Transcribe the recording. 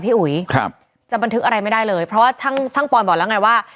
อุ๋ยครับจะบันทึกอะไรไม่ได้เลยเพราะว่าช่างช่างปอยบอกแล้วไงว่า